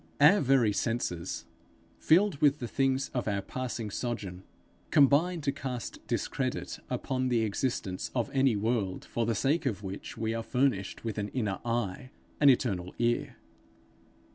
Our very senses, filled with the things of our passing sojourn, combine to cast discredit upon the existence of any world for the sake of which we are furnished with an inner eye, an eternal ear.